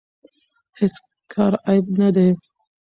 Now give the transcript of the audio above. هیڅ کار عیب نه دی.